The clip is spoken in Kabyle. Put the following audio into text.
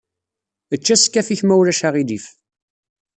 Ečč askaf-ik ma ulac aɣilif.